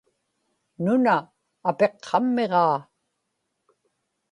nuna apiqqammiġaa